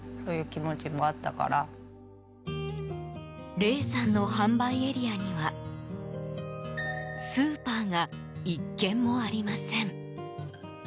玲さんの販売エリアにはスーパーが１軒もありません。